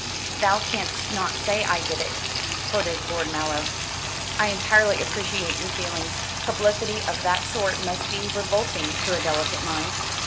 "'Thou canst not say I did it,'" quoted Lord Mallow. "I entirely appreciate your feelings. Publicity of that sort must be revolting to a delicate mind.